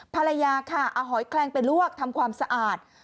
ภรรยาค่ะเอาหอยแคลงไปลวกทำความสะอาด